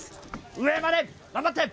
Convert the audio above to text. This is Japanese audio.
上まで頑張って！